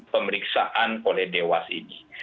pemeriksaan oleh dewas ini